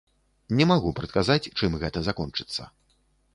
Не магу прадказаць, чым гэта закончыцца.